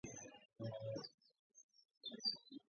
ბრაიან სუინი ფიცჯერალდი პერუში მოღვაწეობს.